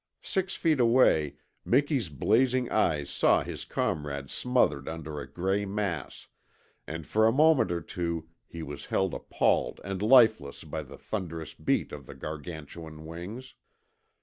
Six feet away Miki's blazing eyes saw his comrade smothered under a gray mass, and for a moment or two he was held appalled and lifeless by the thunderous beat of the gargantuan wings.